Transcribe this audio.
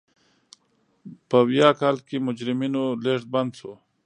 په ویاه کال کې مجرمینو لېږد بند شو.